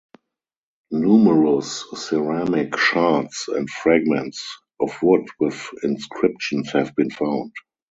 Numerous ceramic shards and fragments of wood with inscriptions have been found.